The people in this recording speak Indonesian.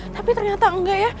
tapi ternyata enggak ya